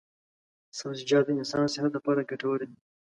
سبزیجات د انسان صحت لپاره ګټور دي.